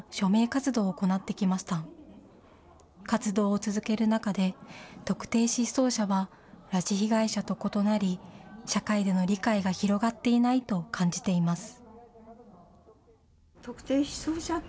活動を続ける中で、特定失踪者は拉致被害者と異なり、社会での理解が広がっていないと感じています。